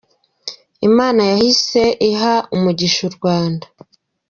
Imana yahise iha umugisha u Rwanda.